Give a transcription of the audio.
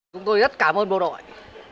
chúng tôi rất cảm ơn bộ đội